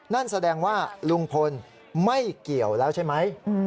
นั่นแสดงว่าลุงพลไม่เกี่ยวแล้วใช่ไหม